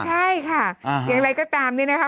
ใช่ค่ะอย่างไรก็ตามเนี่ยนะคะ